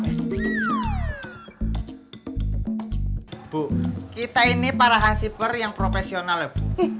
ibu kita ini para hasiper yang profesional ya bu